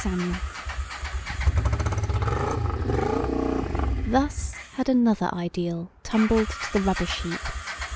V FROM A TO Z Thus had another ideal tumbled to the rubbish heap!